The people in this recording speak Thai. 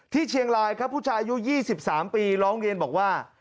เชียงรายครับผู้ชายอายุ๒๓ปีร้องเรียนบอกว่า